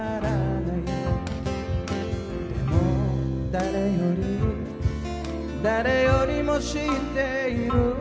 「でも誰より誰よりも知っている」